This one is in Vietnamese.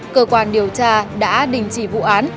cơ quan điều tra đã đình chỉ vụ án